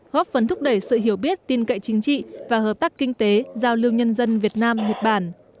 góp phần thúc đẩy sự hiểu biết tin cậy chính trị và hợp tác kinh tế giao lưu nhân dân việt nam nhật bản